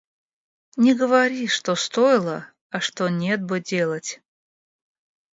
Не говори, что стоило, а что нет бы делать.